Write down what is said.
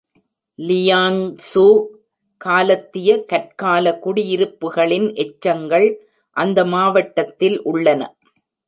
லியாங்சூ காலத்திய கற்கால குடியிருப்புக்களின் எச்சங்கள் அந்த மாவட்டத்தில் உள்ளன.